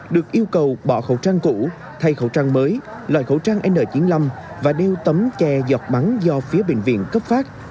được yêu cầu bỏ khẩu trang cũ thay khẩu trang mới loại khẩu trang n chín mươi năm và đeo tấm tre dọc bắn do phía bệnh viện cấp phát